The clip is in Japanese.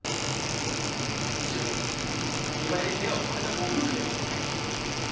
むむしろ気の毒なのは競売で部屋を買われたご夫婦ではありませんか？